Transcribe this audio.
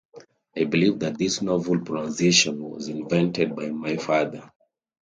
I believe that this novel pronunciation was invented by my father.